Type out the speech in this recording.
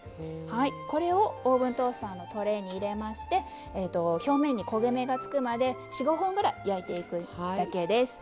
これをオーブントースターのトレーに入れまして表面に焦げ目がつくまで４５分焼いていくだけです。